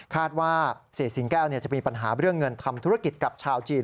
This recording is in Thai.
ว่าเศษสิงแก้วจะมีปัญหาเรื่องเงินทำธุรกิจกับชาวจีน